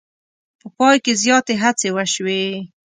په پای کې زیاتې هڅې وشوې.